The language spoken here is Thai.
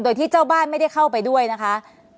โดยที่เจ้าบ้านไม่ได้เข้าไปด้วยนะคะ